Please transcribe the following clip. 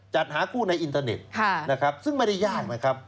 จัดหาคู่ในอินเทอร์เน็ตนะครับซึ่งไม่ได้ยากนะครับ